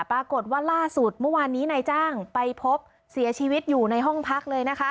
ปรากฏว่าล่าสุดเมื่อวานนี้นายจ้างไปพบเสียชีวิตอยู่ในห้องพักเลยนะคะ